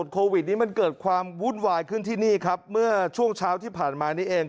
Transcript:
เกิดความวุ่นวายขึ้นที่นี่ครับเมื่อช่วงเช้าที่ผ่านมานี่เอง